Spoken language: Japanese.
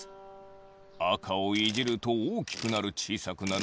あかをいじるとおおきくなるちいさくなる。